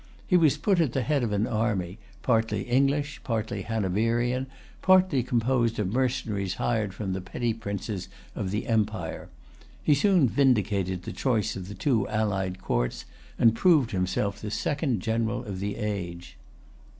He was put at the head of an army, partly English, partly Hanoverian, partly composed of mercenaries hired from the petty princes of the empire. He soon vindicated the choice of the two allied courts, and proved himself the second general of the age.